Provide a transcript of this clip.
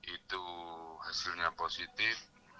itu hasilnya positif